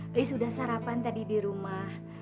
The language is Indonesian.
teis udah sarapan tadi di rumah